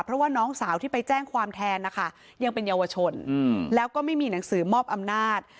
เพราะว่าน้องสาวที่ไปแจ้งความแทนนะคะยังเป็นเยาวชนแล้วก็ไม่มีหนังสือมอบอำนาจ